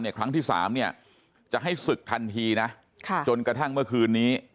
ในครั้งที่๓จะให้ศึกทันทีจนกระทั่งเมื่อคืนนี้